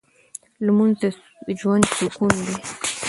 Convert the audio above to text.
لمونځ د ژوند سکون دی.